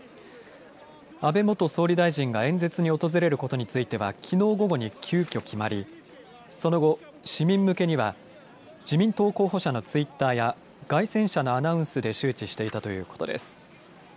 安倍元総理大臣が演説に訪れることについてはきのう午後に急きょ、決まりその後、市民向けには自民党候補者のツイッターや街宣車のアナウンスで周知していたということです。